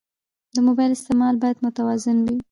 د موبایل استعمال باید متوازن وي.